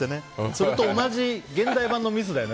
それと同じ現代版のミスですよね。